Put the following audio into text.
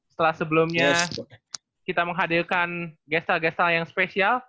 setelah sebelumnya kita menghadirkan gestal gestal yang spesial